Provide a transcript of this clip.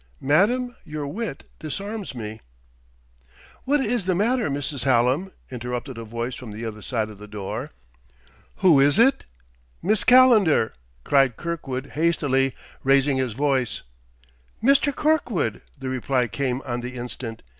"Madam, your wit disarms me " "What is the matter, Mrs. Hallam?" interrupted a voice from the other side of the door. "Who is it?" "Miss Calendar!" cried Kirkwood hastily, raising his voice. "Mr. Kirkwood!" the reply came on the instant.